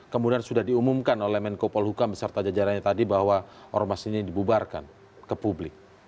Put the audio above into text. kemudian sudah diumumkan oleh menko polhukam beserta jajarannya tadi bahwa ormas ini dibubarkan ke publik